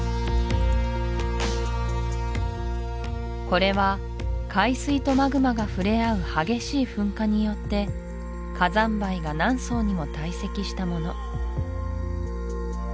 これは海水とマグマが触れ合う激しい噴火によって火山灰が何層にも堆積したもの